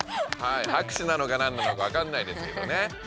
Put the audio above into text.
はくしゅなのかなんなのかわかんないですけどね。